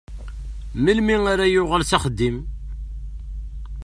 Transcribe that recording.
Melmi ara yuɣal s axeddim?